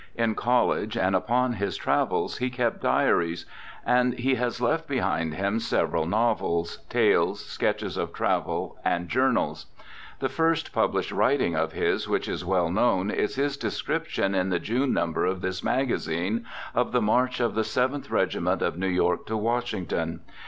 In college and upon his travels he kept diaries; and he has left behind him several novels, tales, sketches of travel, and journals. The first published writing of his which is well known is his description, in the June number of this magazine, of the March of the Seventh Regiment of New York to Washington.